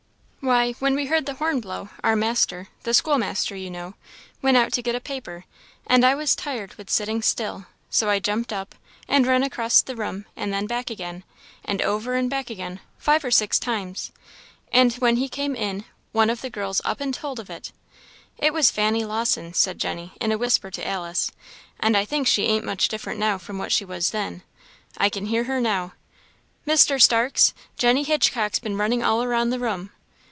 "Why, when we heard the horn blow, our master the schoolmaster, you know went out to get a paper; and I was tired with sitting still, so I jumped up, and ran across the room and then back again, and over and back again, five or six times; and when he came in, one of the girls up and told of it. It was Fanny Lawson," said Jenny, in a whisper to Alice, "and I think she ain't much different now from what she was then. I can hear her now 'Mr. Starks, Jenny Hitchcock's been running all around the room.'